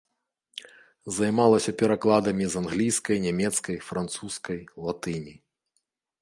Займалася перакладамі з англійскай, нямецкай, французскай, латыні.